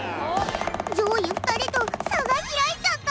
上位２人と差が開いちゃったわ！